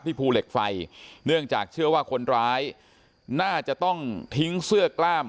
ภูเหล็กไฟเนื่องจากเชื่อว่าคนร้ายน่าจะต้องทิ้งเสื้อกล้าม